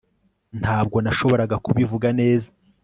Ntabwo nashoboraga kubivuga neza